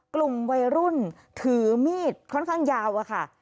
กลุ่มวัยรุ่นถือมีดค่อนข้างยาวอะค่ะ